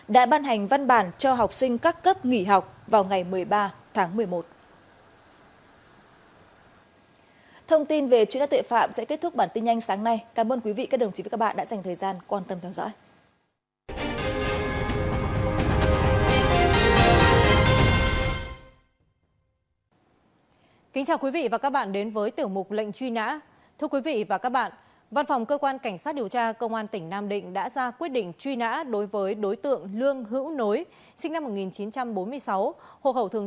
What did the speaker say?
đã ban hành văn bản cho học sinh các cấp nghỉ học vào ngày một mươi ba tháng một mươi một